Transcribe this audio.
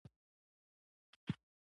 لمسی له نوي رنګونو سره مینه لري.